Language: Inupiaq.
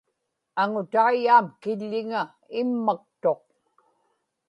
aŋutaiyaam kiḷḷiŋa immaktuq